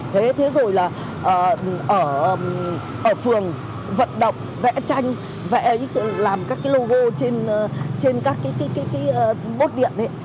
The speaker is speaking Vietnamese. thế rồi là ở phường vận động vẽ tranh vẽ làm các cái logo trên các cái bốt điện